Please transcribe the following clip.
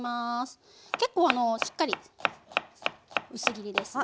結構あのしっかり薄切りですね。